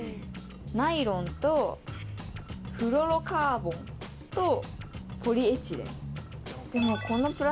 ナイロンとフロロカーボンとポリエチレン。